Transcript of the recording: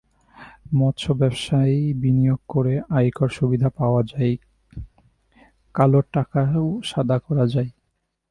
মৎস্য ব্যবসায় বিনিয়োগ করলে আয়কর-সুবিধা পাওয়া যায়, কালো টাকাও সাদা করা যায়।